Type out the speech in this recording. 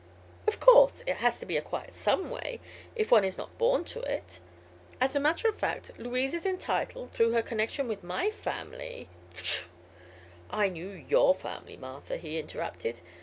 "Of course. It has to be acquired some way if one is not born to it. As a matter of fact, Louise is entitled, through her connection with my family " "Pshaw, I knew your family, Martha," he interrupted.